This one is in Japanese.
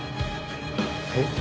えっ？